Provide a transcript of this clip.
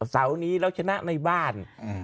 เสาร์นี้เราชนะในบ้าน